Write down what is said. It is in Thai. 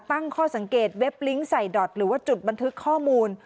ตั้งข้อสังเกตเว็บลิงก์ใส่ดอตหรือว่าจุดบันทึกข้อมูล